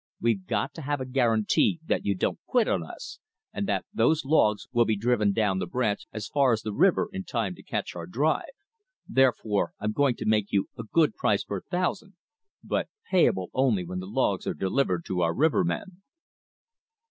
We've got to have a guarantee that you don't quit on us, and that those logs will be driven down the branch as far as the river in time to catch our drive. Therefore I'm going to make you a good price per thousand, but payable only when the logs are delivered to our rivermen."